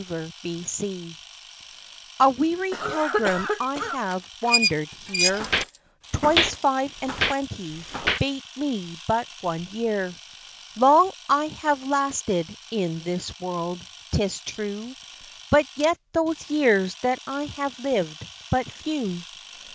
ON HIMSELF A wearied pilgrim I have wander'd here, Twice five and twenty, bate me but one year; Long I have lasted in this world; 'tis true But yet those years that I have lived, but few.